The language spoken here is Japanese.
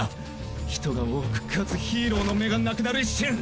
人が多く且つヒーローの目が無くなる一瞬！